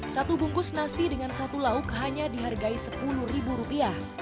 satu bungkus nasi dengan satu lauk hanya dihargai rp sepuluh